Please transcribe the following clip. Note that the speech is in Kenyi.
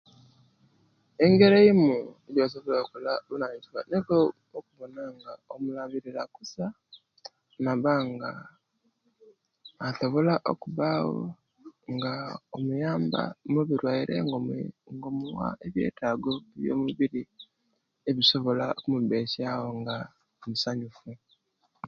Engeri yiimu yosobola okolamu obuvunanizibwa nikwo kubonanga omulabirirakusa nabanga asobola kubawo nga muyamba mubilwaire ngo muuwa ebyetago byomubiri ebisobola kumubesawo nga musayufu